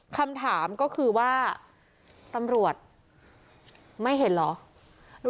คำถามก็คือว่าตำรวจไม่เห็นเหรอ